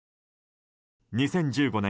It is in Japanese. ２０１５年